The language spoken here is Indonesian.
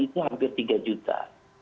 itu hampir tiga juta